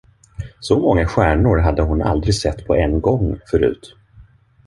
Så många stjärnor hade hon aldrig sett på en gång, förut.